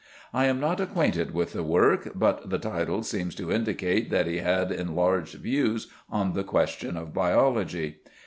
I am not acquainted with the work, but the title seems to indicate that he had enlarged views on the question of biology.